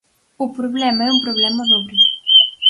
O problema é un problema dobre.